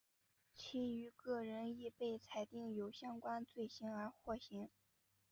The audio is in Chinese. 其余各人亦被裁定有相关罪行而获刑。